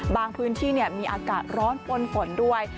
บางพื้นที่เนี่ยมีอากาศร้อนป้นฝนด้วย